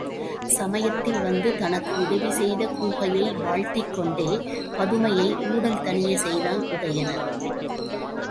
சமயத்தில் வந்து தனக்கு உதவி செய்த கூகையை வாழ்த்திக்கொண்டே பதுமையை ஊடல் தணியச் செய்தான் உதயணன்.